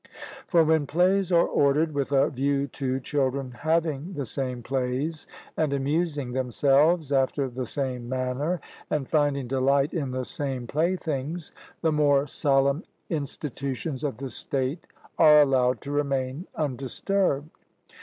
For when plays are ordered with a view to children having the same plays, and amusing themselves after the same manner, and finding delight in the same playthings, the more solemn institutions of the state are allowed to remain undisturbed.